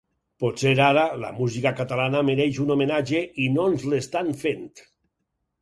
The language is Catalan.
Potser ara la música catalana mereix un homenatge i no ens l’estan fent.